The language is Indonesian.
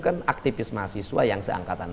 kan aktivis mahasiswa yang seangkatan